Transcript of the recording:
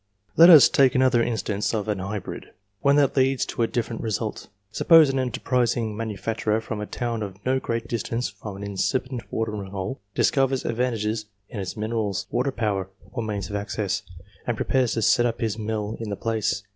Let us take another instance of an hybrid ; one that leads to a different result. Suppose an enterprising manu facturer from a town at no great distance from an incipent watering place, discovers advantages in its minerals, water power, or means of access, and prepares to set up his mill in the place.